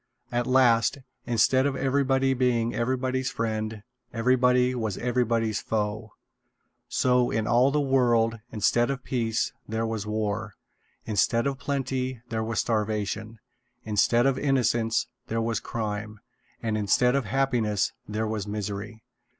At last, instead of everybody being everybody's friend, everybody was everybody's foe. So, in all the world, instead of peace, there was war; instead of plenty, there was starvation; instead of innocence, there was crime; and instead of happiness, there was misery.